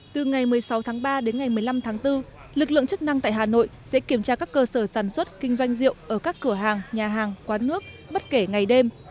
từ ngày một mươi sáu tháng ba đến ngày một mươi năm tháng bốn lực lượng chức năng tại hà nội sẽ kiểm tra các cơ sở sản xuất kinh doanh rượu ở các cửa hàng nhà hàng quán nước bất kể ngày đêm